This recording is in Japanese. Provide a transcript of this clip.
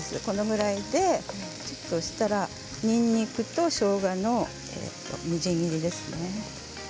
このぐらいで、ちょっとしたらにんにくと、しょうがのみじん切りですね。